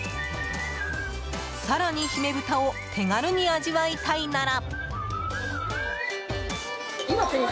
更に、姫豚を手軽に味わいたいなら。